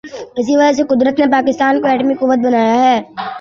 اسی وجہ سے قدرت نے پاکستان کو ایٹمی قوت بنایا ہے۔